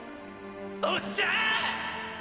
おっしゃあ！！